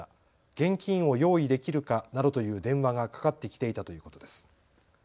現金を用意できるかなどという電話がかかってきていたということです。